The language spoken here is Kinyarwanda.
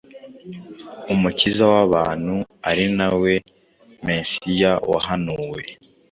Umukiza w’abantu ari na we Mesiya wahanuwe.